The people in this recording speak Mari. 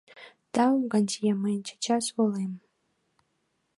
— Тау, Гантье, мый чечас волем.